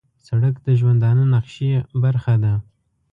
سړک د ژوندانه نقشې برخه ده.